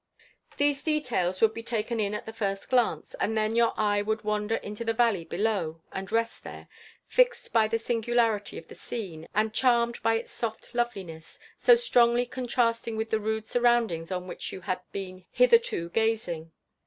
These details would be taken in at the first glance; and then your eye would wander into the valley below, and rest there fixed by the singularity of the scene, and charmed by its soft loveliness so strongly contrasting with the rude surroundings on which you had been hitherto gazing.